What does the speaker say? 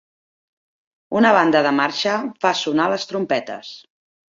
Una banda de marxa fa sonar les trompetes.